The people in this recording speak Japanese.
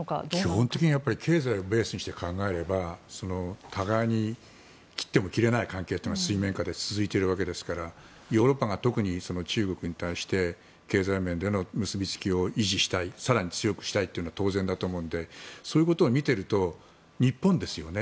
基本的に経済をベースにして考えれば互いに切っても切れない関係というのが水面下で続いているわけですからヨーロッパが特に中国に対して経済面での結びつきを維持したい更に強くしたいというのは当然だと思うのでそういうことを見ていると日本ですよね。